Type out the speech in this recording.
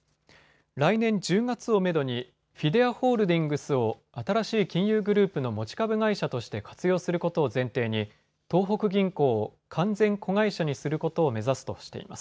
来年１０月をめどにフィデアホールディングスを新しい金融グループの持ち株会社として活用することを前提に東北銀行を完全子会社にすることを目指すとしています。